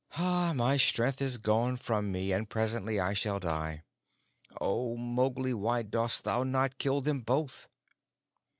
My strength is gone from me, and presently I shall die. Oh, Mowgli, why dost thou not kill them both?"